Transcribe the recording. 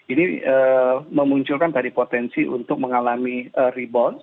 ini memunculkan tadi potensi untuk mengalami rebound